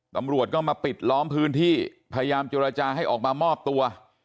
ตำรวจก็มาปิดล้อมพื้นที่พยายามเจรจาให้ออกมามอบตัว